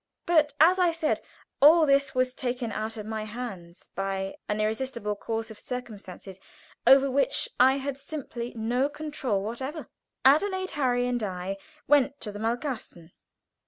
But, as I said, all this was taken out of my hands by an irresistible concourse of circumstances, over which I had simply no control whatever. Adelaide, Harry, and I went to the Malkasten.